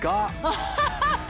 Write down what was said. ハハハハ！